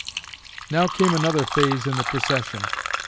"Now came another phase in the procession.